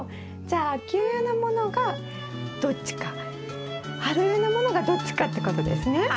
じゃあ秋植えのものがどっちか春植えのものがどっちかってことですね。